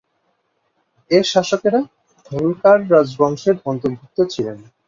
এর শাসকরা হোলকার রাজবংশের অন্তর্ভুক্ত ছিলেন।